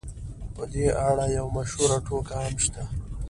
په دې اړه یوه مشهوره ټوکه هم شته.